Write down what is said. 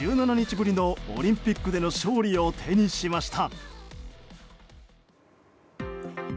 ぶりのオリンピックでの勝利を手にしました。